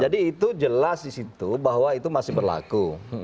jadi itu jelas di situ bahwa itu masih berlaku